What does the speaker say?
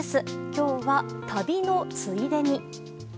今日は、旅のついでに。